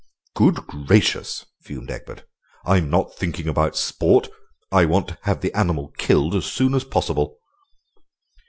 "Good gracious!" fumed Egbert, "I'm not thinking about sport. I want to have the animal killed as soon as possible."